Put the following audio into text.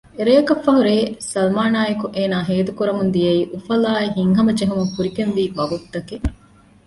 ރެއަކަށްފަހު ރެޔެއް ސަލްމާނާއެކު އޭނާ ހޭދަކުރަމުން ދިޔައީ އުފަލާއި ހިތްހަމަޖެހުމުން ފުރިގެންވީ ވަގުތުތަކެއް